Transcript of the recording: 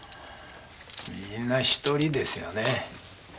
みんな独りですよね？